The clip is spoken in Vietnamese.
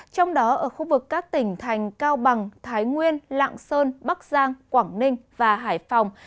trong đó ở khu vực các tỉnh thành cao bằng thái nguyên lạng sơn bắc giang quảng ninh và hải phòng